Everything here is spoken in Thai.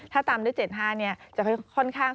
ถ้าตามด้วยเจ็ดห้าเนี่ยจะค่อนข้าง